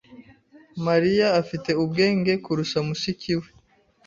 Mariya afite ubwenge kurusha mushiki we. .